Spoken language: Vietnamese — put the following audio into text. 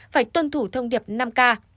phải tuân thủ thông điệp năm k